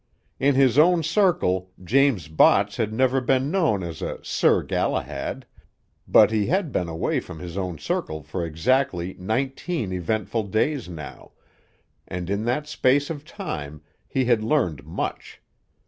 In his own circle James Botts had never been known as a Sir Galahad, but he had been away from his own circle for exactly nineteen eventful days now, and in that space of time he had learned much.